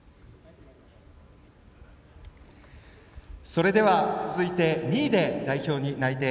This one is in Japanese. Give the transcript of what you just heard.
それでは続いて２位で代表内定